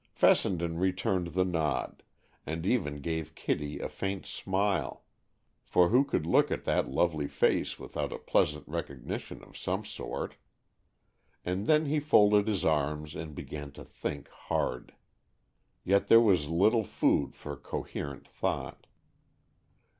Fessenden returned the nod, and even gave Kitty a faint smile, for who could look at that lovely face without a pleasant recognition of some sort? And then he folded his arms and began to think hard. Yet there was little food for coherent thought.